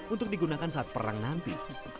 untuk digunakan saat perang nanti